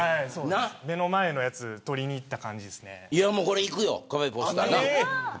目の前のやつ取りにいった感じですね。